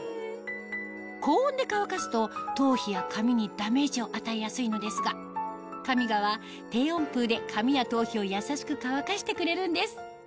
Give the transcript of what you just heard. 高温で乾かすと頭皮や髪にダメージを与えやすいのですがカミガは低温風で髪や頭皮をやさしく乾かしてくれるんです